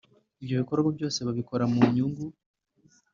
Ibyo bikorwa byose babikora mu nyungu